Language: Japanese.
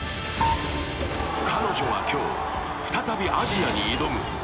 彼女は今日、再びアジアに挑む。